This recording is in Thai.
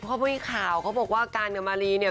พวกให้ข่าวเขาบอกว่ากันกับมารีเนี่ย